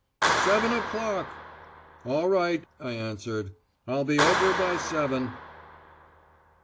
"Seven o'clock!" "All right," I answered. "I'll be over by seven."